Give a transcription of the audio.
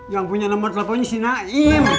yang punya nomor teleponnya si naim